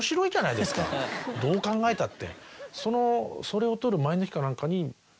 どう考えたって。